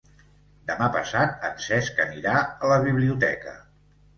Demà passat en Cesc anirà a la biblioteca.